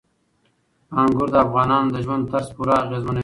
انګور د افغانانو د ژوند طرز پوره اغېزمنوي.